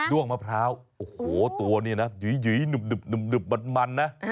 ้วงมะพร้าวโอ้โหตัวนี้นะหยุยหนึบมันนะ